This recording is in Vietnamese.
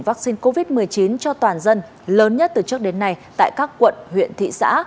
vaccine covid một mươi chín cho toàn dân lớn nhất từ trước đến nay tại các quận huyện thị xã